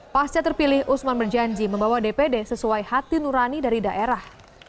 pasca terpilih usman berjanji membawa dpd sesuai hati nurani dari daerah